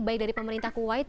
baik dari pemerintah kuwait